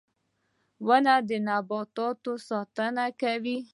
• ونه د نباتاتو ساتنه کوي.